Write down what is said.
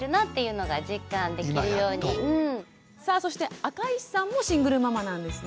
そして赤石さんもシングルママなんですね。